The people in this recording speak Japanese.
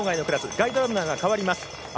ガイドランナー代わります。